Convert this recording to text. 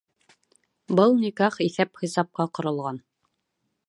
Был никах иҫәп-хисапҡа ҡоролған.